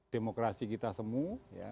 demokrasi kita semua